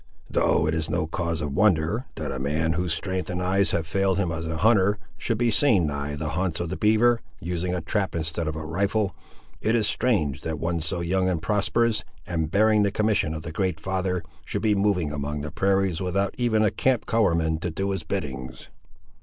"Though it is no cause of wonder, that a man whose strength and eyes have failed him as a hunter, should be seen nigh the haunts of the beaver, using a trap instead of a rifle, it is strange that one so young and prosperous, and bearing the commission of the Great Father, should be moving among the prairies, without even a camp colourman to do his biddings!"